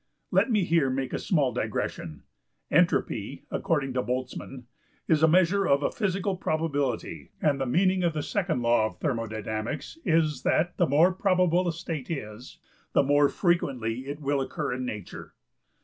Let me here make a small digression. Entropy, according to Boltzmann, is a measure of a physical probability, and the meaning of the second law of thermodynamics is that the more probable a state is, the more frequently will it occur in nature.